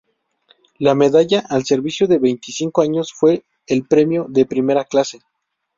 La medalla al servicio de veinticinco años fue el premio de primera clase.